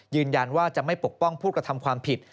ยืนยันว่าจะไม่ปกป้องผู้กระทำความผิด